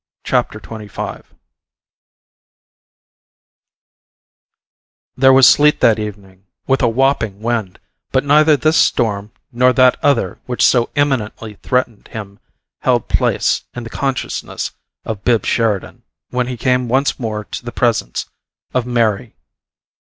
CHAPTER XXV There was sleet that evening, with a whopping wind, but neither this storm nor that other which so imminently threatened him held place in the consciousness of Bibbs Sheridan when he came once more to the presence of Mary.